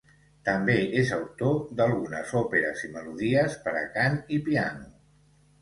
També és autor d'algunes òperes i melodies per a cant i piano.